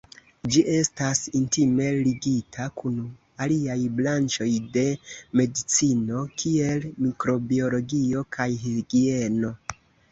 Ĝi estas intime ligita kun aliaj branĉoj de medicino, kiel mikrobiologio kaj higieno.